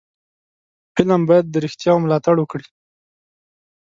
فلم باید د رښتیاو ملاتړ وکړي